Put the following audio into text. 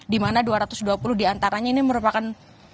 di mana dua ratus dua puluh diantaranya ini merupakan